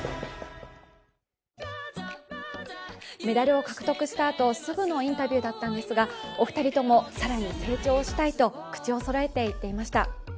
メダルを獲得したあとすぐのインタビューだったんですが、お二人とも更に成長したいと口をそろえて言っていました。